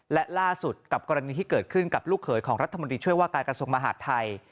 และล่าสุดกับกรณีที่เกิดขึ้นกับลูกเขยของรัฐมนตรีช่วยว่าการกระทรวงมหาดไทย